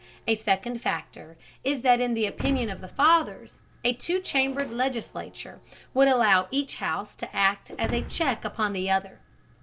A second factor is that in the opinion of the Fathers, a two chambered legislature would allow each house to act as a check upon the other.